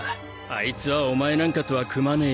あいつはお前なんかとは組まねえよ。